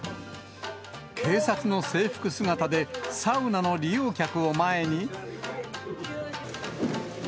警察の制服姿で、サウナの利用客を前に。